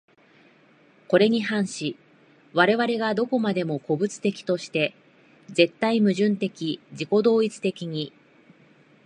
これに反し我々が何処までも個物的として、絶対矛盾的自己同一的に、